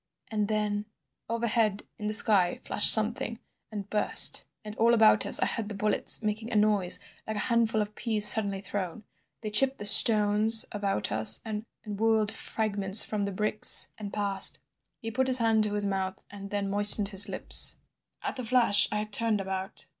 "And then— "Overhead in the sky flashed something and burst, and all about us I heard the bullets making a noise like a handful of peas suddenly thrown. They chipped the stones about us, and whirled fragments from the bricks and passed ...." He put his hand to his mouth, and then moistened his lips. "At the flash I had turned about